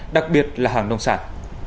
đặc biệt là hàng nông sản